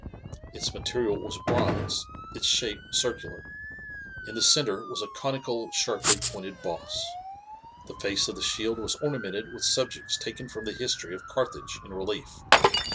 Its material was bronze, its shape circular. In the centre was a conical, sharply pointed boss. The face of the shield was ornamented with subjects taken from the history of Carthage in relief.